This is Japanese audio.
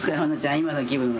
今の気分は？